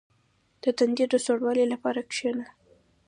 • د تندي د سوړوالي لپاره کښېنه.